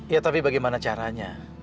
ya tapi bagaimana caranya